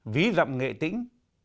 ví rậm nghệ tĩnh